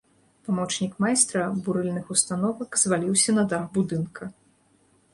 Памочнік майстра бурыльных установак зваліўся на дах будынка.